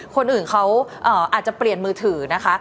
คนอื่นเขาอาจจะเปลี่ยนมือถือนะคะ